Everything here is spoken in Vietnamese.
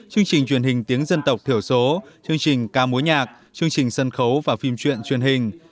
chương trình truyền hình tiếng dân tộc thiểu số chương trình ca mối nhạc chương trình sân khấu và phim truyện truyền hình